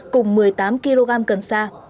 cùng một mươi tám kg cân sa